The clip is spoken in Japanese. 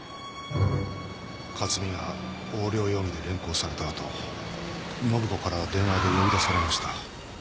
克巳が横領容疑で連行されたあと信子から電話で呼び出されました。